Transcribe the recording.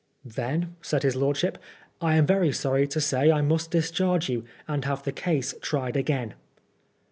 'Then," said his lordship, " I am very sorry to say I must discharge you, and have the case tried again.''